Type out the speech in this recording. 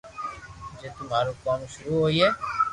جي تو مارو ڪوم ݾروع ھوئي